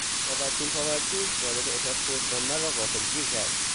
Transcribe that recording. پاورچین پاورچین وارد اتاق شد و مرا غافلگیر کرد.